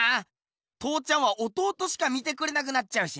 父ちゃんは弟しか見てくれなくなっちゃうしな。